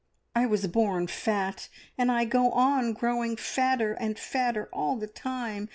I was born fat, and I go on growing fatter and fatter all the time.